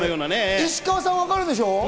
石川さんはわかるでしょ？